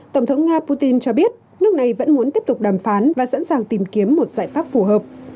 tổng thống nga putin cho biết nước này vẫn muốn tiếp tục đàm phán và sẵn sàng tìm kiếm một giải pháp phù hợp